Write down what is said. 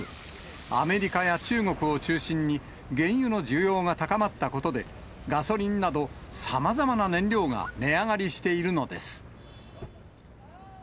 アメリカや中国を中心に、原油の需要が高まったことで、ガソリンなどさまざまな燃料が値上がりしているのです。